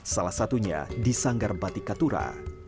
salah satunya di sanggar batik katura